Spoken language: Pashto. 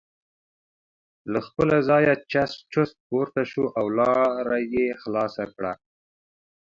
له خپله ځایه چست پورته شو او لاره یې خلاصه کړه.